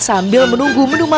sambil menunggu menu makan